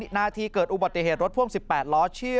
หน้าที่เกิดอูบอติเหตุรถผ่วง๑๘ล้อ